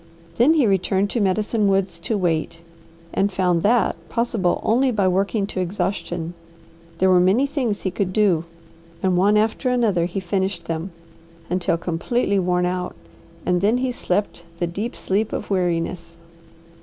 Then he returned to Medicine Woods to wait, and found that possible only by working to exhaustion. There were many things he could do, and one after another he finished them, until completely worn out; and then he slept the deep sleep of weariness.